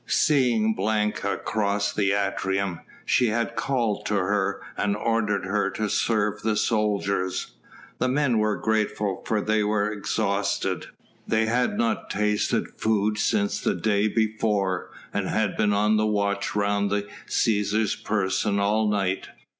Seeing Blanca cross the atrium, she had called to her and ordered her to serve the soldiers. The men were grateful for they were exhausted. They had not tasted food since the day before, and had been on the watch round the Cæsar's person all night.